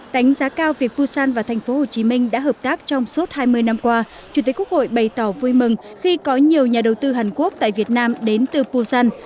đánh giá cao việc busan và thành phố hồ chí minh đã hợp tác trong suốt hai mươi năm qua chủ tịch quốc hội bày tỏ vui mừng khi có nhiều nhà đầu tư hàn quốc tại việt nam đến từ busan